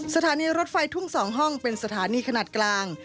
สถานีรถไฟทุ่ง๒ห้องเป็นสถานีขนาดกลาง